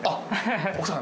△奥さん。